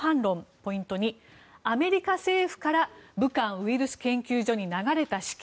ポイント２、アメリカ政府から武漢ウイルス研究所に流れた資金